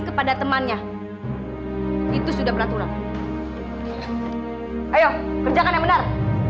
kepada temannya itu sudah beraturan ayo kerjakan yang benar